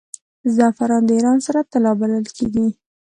زعفران د ایران سره طلا بلل کیږي.